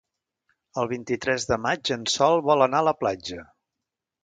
El vint-i-tres de maig en Sol vol anar a la platja.